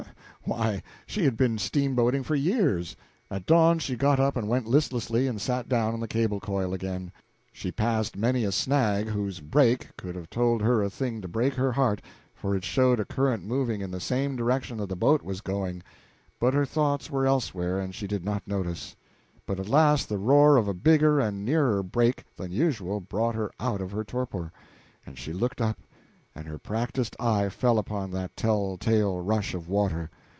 Why, she had been steamboating for years. At dawn she got up and went listlessly and sat down on the cable coil again. She passed many a snag whose "break" could have told her a thing to break her heart, for it showed a current moving in the same direction that the boat was going; but her thoughts were elsewhere, and she did not notice. But at last the roar of a bigger and nearer break than usual brought her out of her torpor, and she looked up, and her practised eye fell upon that telltale rush of water.